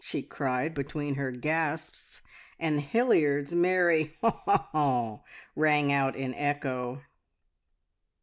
she cried between her gasps; and Hilliard's merry "Ho! ho! ho!" rang out in echo.